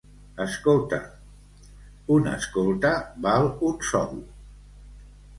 —Escolta. —Un escolta val un sou.